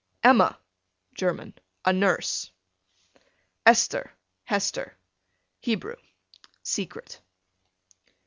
Emma, German, a nurse. Esther, Hester, Hebrew, secret.